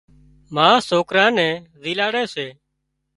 ما سوڪران نين زيلاڙي سي